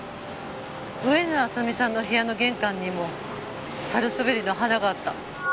上野亜沙美さんの部屋の玄関にもサルスベリの花があった。